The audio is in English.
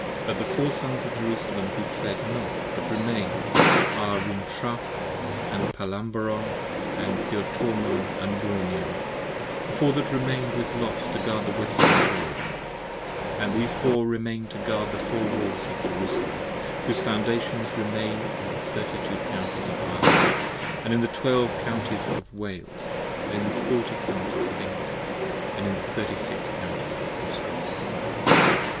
10 But the Four Sons of Jerusalem who fled not but remain'd Are Rintrah & Palamabron & Theotormon & Bromion, The Four that remain with Los to guard the Western Wall: And these Four remain to guard the Four Walls of Jerusalem, Whose foundations remain in the Thirty two Counties of Ireland, 15 And in Twelve Counties of Wales, & in the Forty Counties Of England, & in the Thirty six Counties of Scotland.